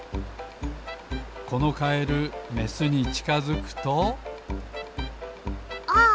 このカエルメスにちかづくとあっ！